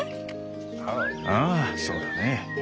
ああそうだね。